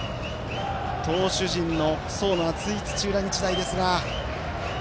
投手陣の層の厚い土浦日大ですが。